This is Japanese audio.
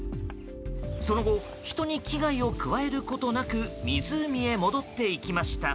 その後、人に危害を加えることなく湖へ戻っていきました。